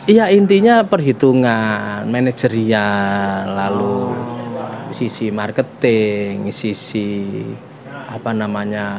ya intinya perhitungan manajerial lalu sisi marketing sisi apa namanya